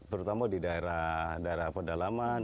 terutama di daerah pedalaman